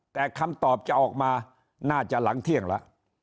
แต่คำตอบจะออกมาน่าจะหลังเที่ยงแล้ว